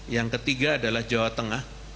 yang ketiga adalah jawa tengah